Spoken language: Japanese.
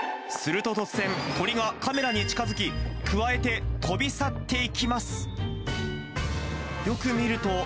すると突然、鳥がカメラに近づき、くわえて飛び去っていきます。